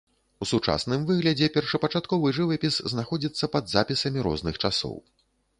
У сучасным выглядзе першапачатковы жывапіс знаходзіцца пад запісамі розных часоў.